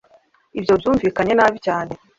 Ibyo byumvikanye nabi cyane